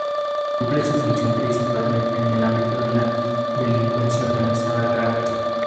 Cumple su función principalmente en el ámbito de la delincuencia organizada grave.